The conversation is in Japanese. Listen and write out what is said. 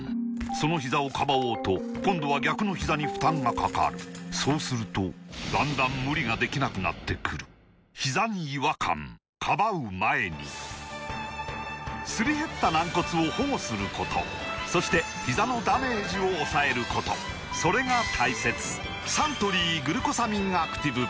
そのひざをかばおうと今度は逆のひざに負担がかかるそうするとだんだん無理ができなくなってくるすり減った軟骨を保護することそしてひざのダメージを抑えることそれが大切サントリー「グルコサミンアクティブ」